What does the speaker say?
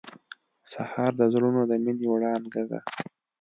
سهار د زړونو د مینې وړانګه ده.